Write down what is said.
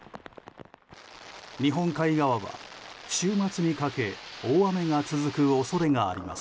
日本海側は、週末にかけ大雨が続く恐れがあります。